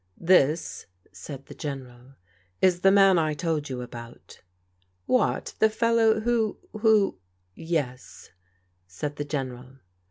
"This," said the General, "is the man I told you about." "What, the fellow who— who?'* " Yes," said the General.